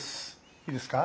いいですか。